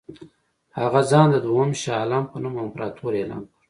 هغه ځان د دوهم شاه عالم په نوم امپراطور اعلان کړ.